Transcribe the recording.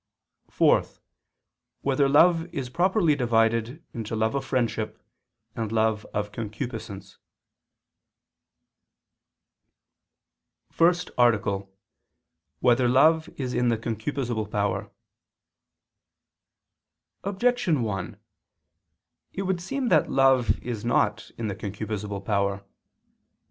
(4) Whether love is properly divided into love of friendship, and love of concupiscence? ________________________ FIRST ARTICLE [I II, Q. 26, Art. 1] Whether Love Is in the Concupiscible Power? Objection 1: It would seem that love is not in the concupiscible power.